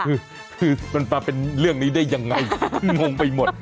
คือมันมาเป็นเรื่องนี้ได้ยังไงงงไปหมด